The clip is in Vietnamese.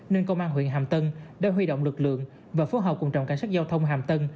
nên công an huyện hàm tân đã huy động lực lượng và phố hậu cùng trọng cảnh sát giao thông hàm tân